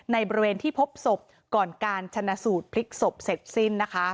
ในบริเวณที่พบศพก่อนการชนะสูตรพลิกศพเสร็จสิ้นนะคะ